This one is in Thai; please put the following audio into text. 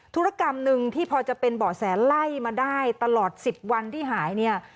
ธุรกรรมหนึ่งที่พอจะเป็นเบาะแสไล่มาได้ตลอด๑๐วันที่หายเนี่ย